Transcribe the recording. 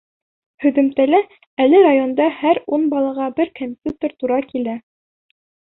Һөҙөмтәлә әле районда һәр ун балаға бер компьютер тура килә.